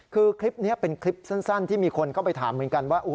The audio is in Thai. คือคลิปนี้เป็นคลิปสั้นที่มีคนเข้าไปถามเหมือนกันว่า